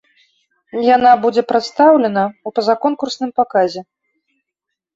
Яна будзе прадстаўлена ў пазаконкурсным паказе.